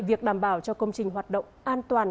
việc đảm bảo cho công trình hoạt động an toàn